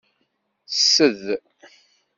Ssed.